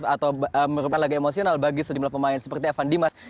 atau merupakan laga emosional bagi sejumlah pemain seperti evan dimas